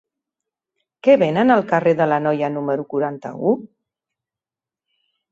Què venen al carrer de l'Anoia número quaranta-u?